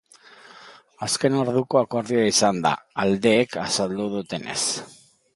Azken orduko akordioa izan da, aldeek azaldu dutenez.